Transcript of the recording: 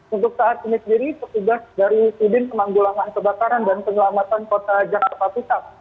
untuk saat ini sendiri petugas dari tudin kemanggulangan kebakaran dan pengelamatan kota jakarta pusat